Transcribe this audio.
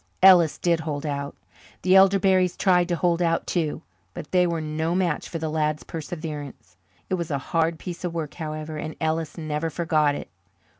Ellis did hold out. The elderberries tried to hold out too, but they were no match for the lad's perseverance. It was a hard piece of work, however, and Ellis never forgot it.